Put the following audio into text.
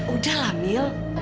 udah lah mil